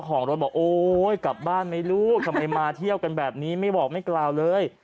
กลับบ้านไม่รู้ทำไมมาเที่ยวกันแบบนี้ไม่บอกไม่กล่าวเลย